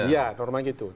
iya normanya begitu